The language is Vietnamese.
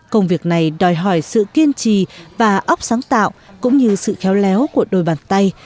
công việc này đòi hỏi sự kiên trì và óc sáng tạo cũng như sự khéo léo của đôi bàn tay